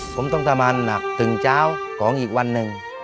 ผมต้องทำงานหนักถึงเช้าของอีกวันหนึ่ง